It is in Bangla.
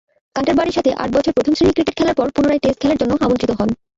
ক্যান্টারবারির সাথে আট বছর প্রথম-শ্রেণীর ক্রিকেট খেলার পর পুনরায় টেস্ট খেলার জন্য আমন্ত্রিত হন।